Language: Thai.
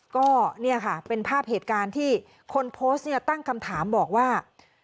ก็เนี่ยค่ะเป็นภาพเหตุการณ์ที่คนโพสต์เนี่ยตั้งคำถามบอกว่า